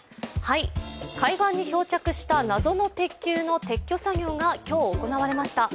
海岸に漂着した謎の鉄球の撤去作業が今日、行われました。